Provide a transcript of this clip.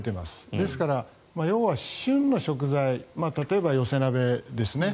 ですから、要は旬の食材例えば寄せ鍋ですね